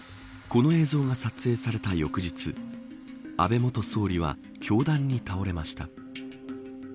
この映像が撮影された翌日安倍元総理は凶弾に倒れました。